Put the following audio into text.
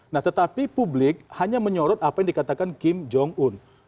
nah tetapi publik hanya menyorot apa yang dikatakan kim jong un